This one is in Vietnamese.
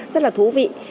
rất là thú vị